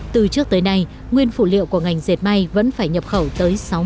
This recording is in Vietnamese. từ trước tới nay nguyên phụ liệu của ngành dệt may vẫn phải nhập khẩu tới sáu mươi